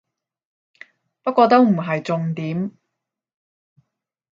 不過都唔係重點